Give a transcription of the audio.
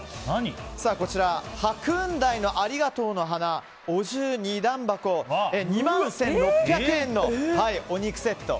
こちら、白雲台のありがとうの花お重２段箱２万１６００円のお肉箱。